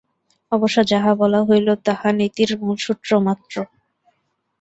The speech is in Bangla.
অবশ্য যাহা বলা হইল, তাহা নীতির মূলসূত্র মাত্র।